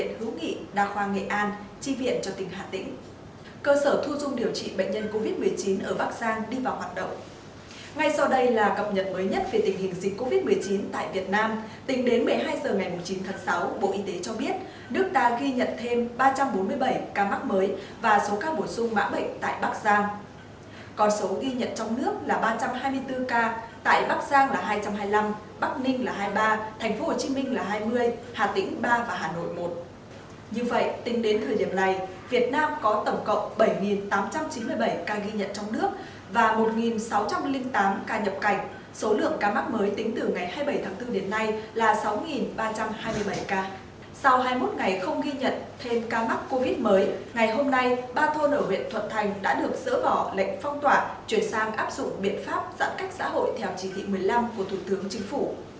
sau hai mươi một ngày không ghi nhận thêm ca mắc covid mới ngày hôm nay ba thôn ở huyện thuận thành đã được sửa bỏ lệnh phong tỏa chuyển sang áp dụng biện pháp giãn cách xã hội theo chỉ thị một mươi năm của thủ tướng chính phủ